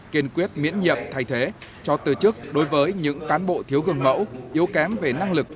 kiên quyết miễn nhiệm thay thế cho từ chức đối với những cán bộ thiếu gương mẫu yếu kém về năng lực